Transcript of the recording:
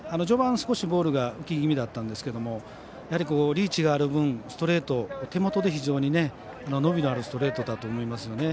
序盤、少しボールが浮きがちだったんですがやはりリーチがある分ストレート、手元で非常に伸びのあるストレートだと思います。